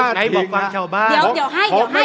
แป๊บเดี๋ยวเดี๋ยวย้ายเก้าอี้กลับไป